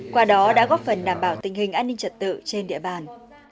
qua đó đã góp phần đảm bảo tình hình an ninh trật tự trên địa bàn